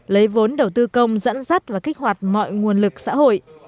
lấy vốn đầu tư công dẫn dắt và kích hoạt mọi nguồn lực xã hội